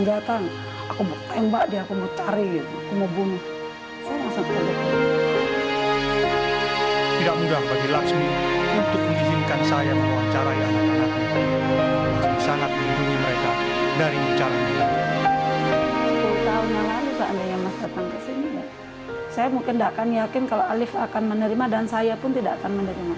dan sangat menghidupi mereka dari ucapan